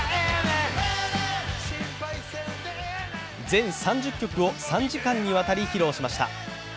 全３０曲を３時間にわたり披露しました。